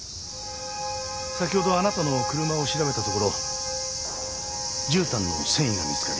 先ほどあなたの車を調べたところじゅうたんの繊維が見つかり